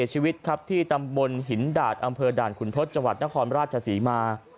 หินดาดอำเภอด่านขุนทศจวัตรนครราชศรีมา